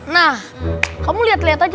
nah kamu liat liat aja